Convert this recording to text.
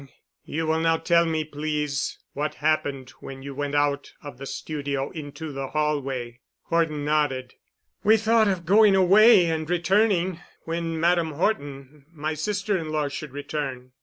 You will now tell me, please, what happened when you went out of the studio into the hallway." Horton nodded. "We thought of going away and returning when Madame Horton, my sister in law, should return."